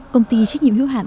công ty trách nhiệm hữu hạm